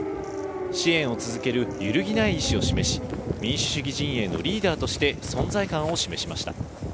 支援を続ける揺るぎない意思を示し、民主主義陣営のリーダーとして存在感を示しました。